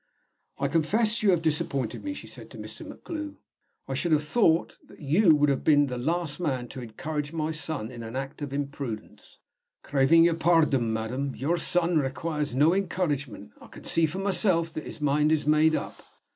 "I confess you have disappointed me," she said to Mr. MacGlue. "I should have thought you would have been the last man to encourage my son in an act of imprudence." "Craving your pardon, madam, your son requires no encouragement. I can see for myself that his mind is made up.